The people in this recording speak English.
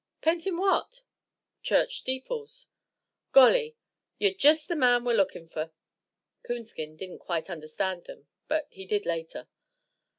"Paintin' what?" "Church steeples." "Golly! yer jest th' man we're lookin' fer." Coonskin didn't quite understand them, but he did later.